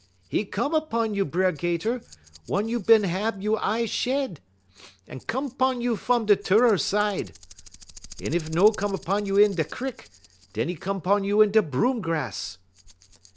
"''E come 'pon you, B'er 'Gater, wun you bin hab you' eye shed; 'e come 'pon you fum de turrer side. Ef 'e no come 'pon you in da' crik, dun 'e come 'pon you in da' broom grass.'